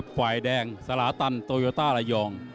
ฝ่ายแดงสลาตันโตโยต้าระยอง